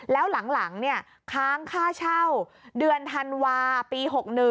แล้วหลังค้างค่าเช่าเดือนธันวาปี๖๑